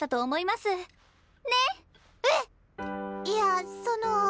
いやその。